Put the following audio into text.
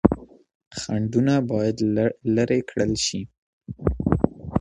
خنډونه بايد لري کړل سي.